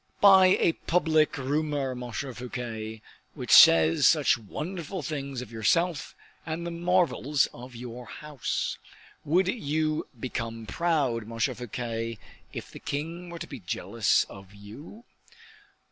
"By a public rumor, Monsieur Fouquet, which says such wonderful things of yourself and the marvels of your house. Would you become proud, Monsieur Fouquet, if the king were to be jealous of you?"